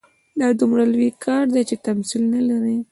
دا دومره لوی کار دی چې تمثیل نه لري.